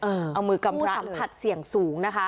เอามือกำสัมผัสเสี่ยงสูงนะคะ